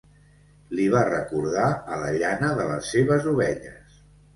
Li va recordar a la llana de les seves ovelles...